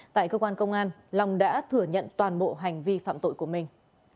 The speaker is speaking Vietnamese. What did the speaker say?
tại cơ quan công an long đã thừa nhận toàn bộ hành vi phạm tội của mình